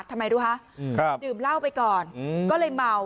ทำไมรู้คะดื่มเหล้าไปก่อนก็เลยเมา